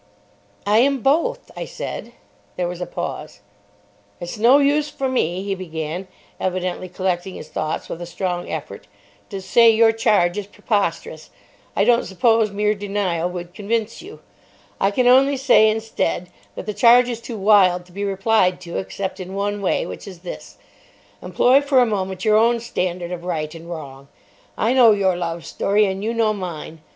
"I am both," I said. There was a pause. "It's no use for me," he began, evidently collecting his thoughts with a strong effort, "to say your charge is preposterous. I don't suppose mere denial would convince you. I can only say, instead, that the charge is too wild to be replied to except in one way, which is this. Employ for a moment your own standard of right and wrong. I know your love story, and you know mine.